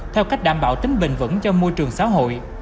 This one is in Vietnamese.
theo cách đảm bảo tính bền vững cho môi trường xã hội